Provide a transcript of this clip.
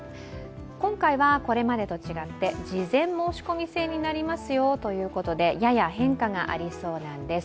今回はこれまでと違って事前申込み制になりますよということでやや変化がありそうなんです。